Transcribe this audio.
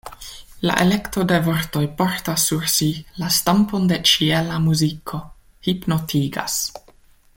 La elekto de vortoj portas sur si la stampon de ĉiela muziko, hipnotigas.